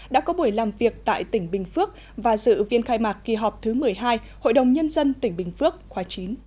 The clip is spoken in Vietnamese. đã có buổi làm việc tại tỉnh bình phước và dự viên khai mạc kỳ họp thứ một mươi hai hội đồng nhân dân tỉnh bình phước khóa chín